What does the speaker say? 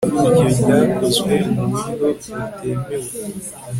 iyo ryakozwe mu buryo butemewe